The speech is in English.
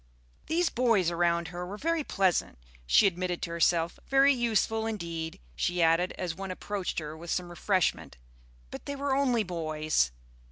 These boys around her were very pleasant, she admitted to herself; very useful, indeed, she added, as one approached her with some refreshment; but they were only boys.